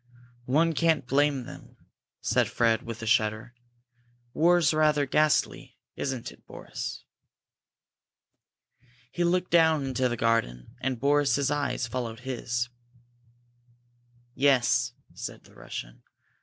"One can't blame them," said Fred, with a shudder. "War's rather ghastly, isn't it, Boris?" He looked down into the garden, and Boris's eyes followed his. "Yes," said the Russian.